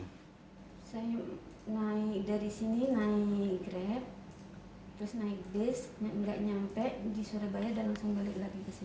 terus naik bis enggak nyampe di surabaya dan langsung balik lagi ke sini